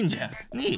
ねえ？